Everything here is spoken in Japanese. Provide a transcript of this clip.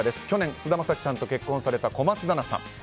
去年、菅田将暉さんと結婚された小松菜奈さん。